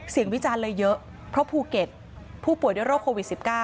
วิจารณ์เลยเยอะเพราะภูเก็ตผู้ป่วยด้วยโรคโควิด๑๙